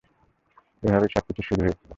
এভাবেই সবকিছুর শুরু হয়েছিল।